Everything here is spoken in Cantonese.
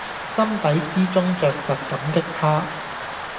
心底之中著實感激他